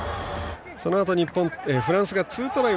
そのあとフランスが２トライ